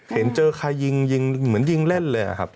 เห็นเจอใครยิงยิงเหมือนยิงเล่นเลยครับ